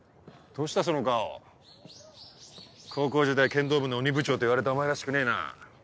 剣道部の鬼部長といわれたお前らしくねえな。